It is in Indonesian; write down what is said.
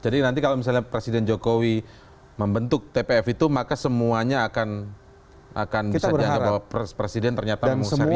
jadi nanti kalau misalnya presiden jokowi membentuk tpf itu maka semuanya akan bisa dianggap bahwa presiden ternyata serius